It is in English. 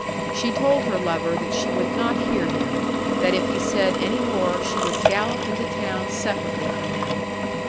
She told her lover that she would not hear him, that if he said any more she would gallop into town separately from him.